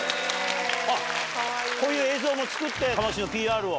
こういう映像も作って嘉麻市のＰＲを。